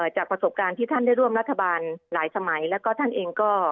จากประสบการณ์ที่ท่านได้ร่วมรัฐบาลหลายสมัยแล้วก็ท่านเองก็